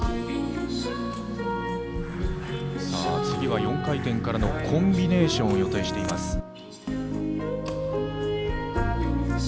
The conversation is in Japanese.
次は４回転からのコンビネーションを予定します。